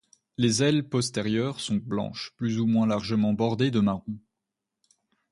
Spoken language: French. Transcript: Les ailes postérieures sont blanches plus ou moins largement bordées de marron.